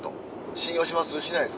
信用します？